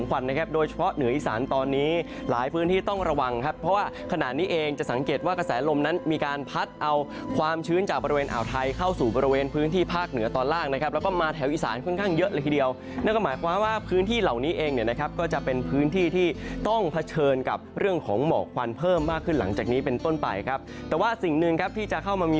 ว่ากระแสลมนั้นมีการพัดเอาความชื้นจากบริเวณอ่าวไทยเข้าสู่บริเวณพื้นที่ภาคเหนือตอนล่างนะครับแล้วก็มาแถวอีสานค่อนข้างเยอะเลยทีเดียวนั่นก็หมายความว่าพื้นที่เหล่านี้เองนะครับก็จะเป็นพื้นที่ที่ต้องเผชิญกับเรื่องของหมอกควันเพิ่มมากขึ้นหลังจากนี้เป็นต้นไปครับแต่ว่าสิ่งหนึ่งครับที่จะเข้ามา